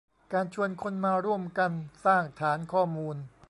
การชวนคนมาร่วมกันสร้างฐานข้อมูล